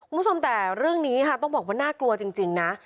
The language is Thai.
คุณผู้ชมแต่เรื่องนี้ค่ะต้องบอกว่าน่ากลัวจริงนะ